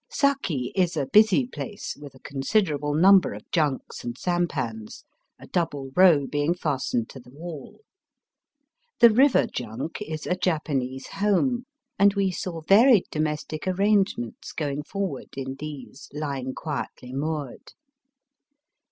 Saki is a busy place, with a considerable number of junks and sampans, a double row being fastened to the wall. The river junk is a Japanese home, and we saw varied domestic arrangements going forward in these lying quietly moored.